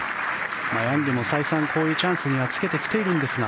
ヤングも再三こういうチャンスにはつけてきているんですが。